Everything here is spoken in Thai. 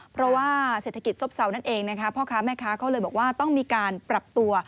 เพราะว่าเศรษฐกิจซบเซานั่นเองนะคะพ่อค้าแม่ค้าเขาเลยบอกว่าต้องมีการปรับตัว